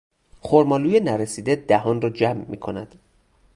خرمالوی نرسیده دهان را جمع میکند.